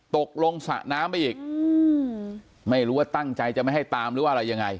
ตกลงสระน้ำไปอีกไม่รู้ว่าตั้งใจจะไม่ให้ตามหรือว่าอะไรยังไง